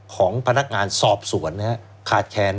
ของพนักงานสอบสวนนะครับขาดแคลน